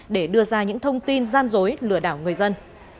để đưa ra những thông tin gian dối lừa đảo người dân